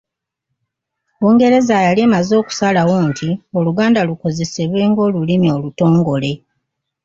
Bungereza yali emaze okusalawo nti Oluganda lukozesebwe ng'olulimi olutongole.